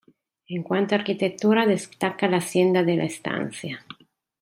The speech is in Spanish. En cuanto a arquitectura destaca la Hacienda de la Estancia.